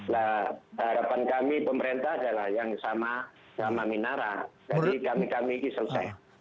nah harapan kami pemerintah adalah yang sama sama minara jadi kami kami ini selesai